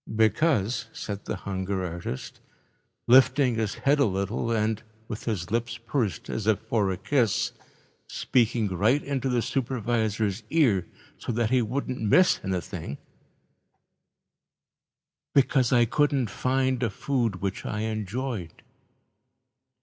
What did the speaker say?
"Because," said the hunger artist, lifting his head a little and, with his lips pursed as if for a kiss, speaking right into the supervisor's ear so that he wouldn't miss anything, "because I couldn't find a food which I enjoyed.